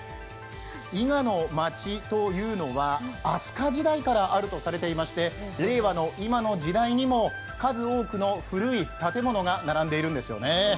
伊賀の町というのは、飛鳥時代からあるとされていまして令和の今の時代にも数多くの古い建物が並んでいるんですよね。